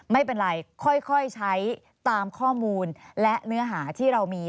ไม่เป็นไรค่อยใช้ตามข้อมูลและเนื้อหาที่เรามี